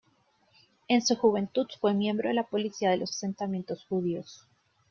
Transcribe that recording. En su juventud fue miembro de la Policía de los Asentamientos Judíos.